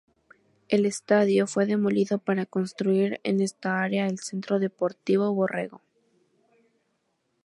El estadio fue demolido para construir en esta área el Centro Deportivo Borrego.